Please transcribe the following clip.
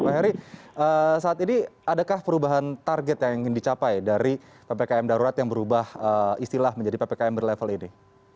pak heri saat ini adakah perubahan target yang ingin dicapai dari ppkm darurat yang berubah istilah menjadi ppkm berlevel ini